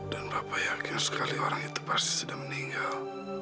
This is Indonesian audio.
dan papa yakin sekali orang itu pasti sudah meninggal